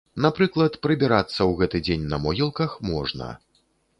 Напрыклад, прыбірацца ў гэты дзень на могілках можна.